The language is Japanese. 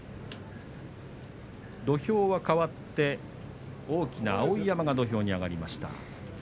土俵はかわって大きな碧山が土俵に上がりました。